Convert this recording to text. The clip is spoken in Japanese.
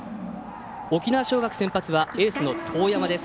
沖縄尚学先発はエースの當山です。